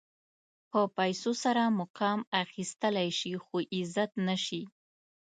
په پیسو سره مقام اخيستلی شې خو عزت نه شې.